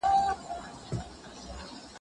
وزیرانو به ځانګړي استازي لېږل.